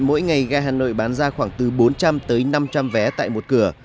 mỗi ngày ga hà nội bán ra khoảng từ bốn trăm linh tới năm trăm linh vé tại một cửa